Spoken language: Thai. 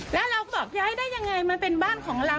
แล้วเราบอกย้ายได้ยังไงมันเป็นบ้านของเรา